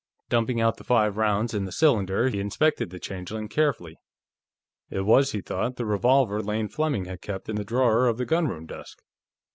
Dumping out the five rounds in the cylinder, he inspected the changeling carefully. It was, he thought, the revolver Lane Fleming had kept in the drawer of the gunroom desk.